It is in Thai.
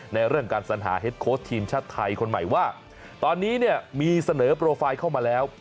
ในเรื่องการสัญหาเฮ็ดโค้ชทีมชาติไทยคนใหม่ว่าตอนนี้เนี่ยมีเสนอโปรไฟล์เข้ามาแล้ว